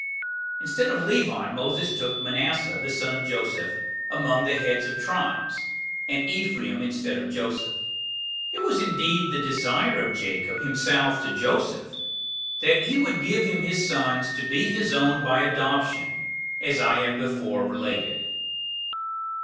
Instead of Levi, Moses took Manasseh, the son of Joseph, among the heads of tribes; and Ephraim instead of Joseph. It was indeed the desire of Jacob himself to Joseph, that he would give him his sons to be his own by adoption, as I have before related.